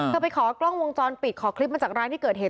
ไปขอกล้องวงจรปิดขอคลิปมาจากร้านที่เกิดเหตุ